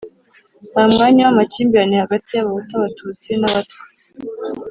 nta mwanya w'amakimbirane hagati y'Abahutu, Abatutsi n'Abatwa.